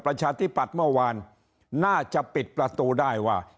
ประชาธิปัตย์เมื่อวานน่าจะปิดประตูได้ว่า